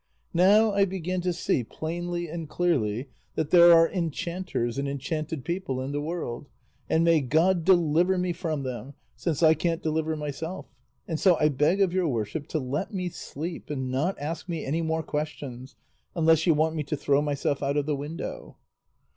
Now I begin to see plainly and clearly that there are enchanters and enchanted people in the world; and may God deliver me from them, since I can't deliver myself; and so I beg of your worship to let me sleep and not ask me any more questions, unless you want me to throw myself out of the window."